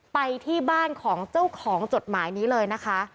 ไปที่บ้านของเจ้าของจดหมายนี้เลยนะคะ